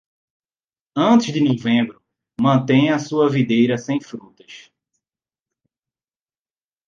Antes de novembro, mantenha sua videira sem frutas.